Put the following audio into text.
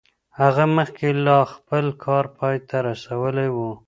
هغه مخکې لا خپل کار پای ته رسولی و.